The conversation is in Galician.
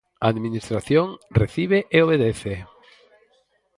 A administración, recibe e obedece.